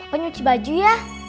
pak nyuci baju ya